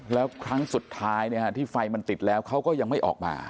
แล้วครั้งสุดท้ายที่ไฟมันติดแล้วเขาก็ยังไม่ออกมา